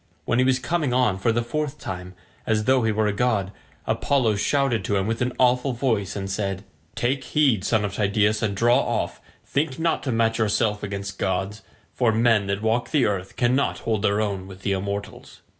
When he was coming on for the fourth time, as though he were a god, Apollo shouted to him with an awful voice and said, "Take heed, son of Tydeus, and draw off; think not to match yourself against gods, for men that walk the earth cannot hold their own with the immortals."